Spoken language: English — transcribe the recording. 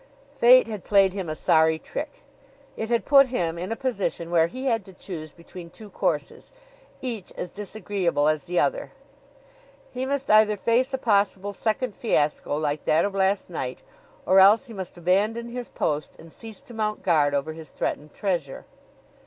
Fate had played him a sorry trick. It had put him in a position where he had to choose between two courses, each as disagreeable as the other. He must either face a possible second fiasco like that of last night, or else he must abandon his post and cease to mount guard over his threatened treasure.